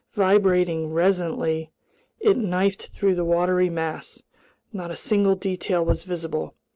Vibrating resonantly, it knifed through the watery mass. Not a single detail was visible.